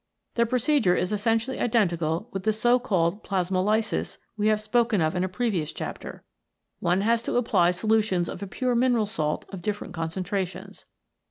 The procedure is essentially identical with the so called plasmolysis we have spoken of in a previous chapter. One has to apply solutions of a pure mineral salt of different concentrations.